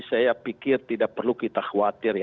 saya pikir tidak perlu kita khawatir ya